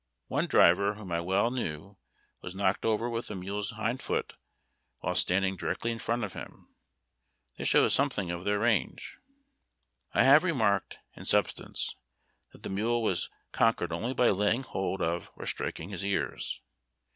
One driver, whom I well knew, was knocked over with a mule's hind foot wliile standing directly in front of him. This shows something of their range. I have remarked, in substance, that the mule was con quered only by laying hold of or striking his ears.